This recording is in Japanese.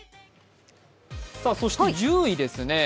そして１０位ですね。